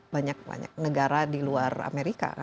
banyak banyak negara di luar amerika